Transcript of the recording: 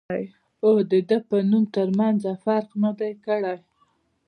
او د دۀ د نوم تر مېنځه فرق نۀ دی کړی